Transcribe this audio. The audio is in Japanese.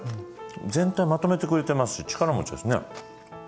全体をまとめてくれてますし力持ちですね。